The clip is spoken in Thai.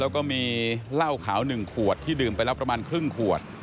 แล้วก็มีเหล้าขาว๑ขวดที่ดื่มไปแล้วประมาณครึ่งขวด